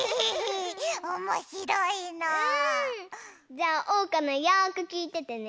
じゃあおうかのよくきいててね。